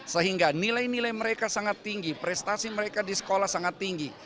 sehingga nilai nilai mereka sangat tinggi prestasi mereka di sekolah sangat tinggi